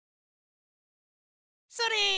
それ！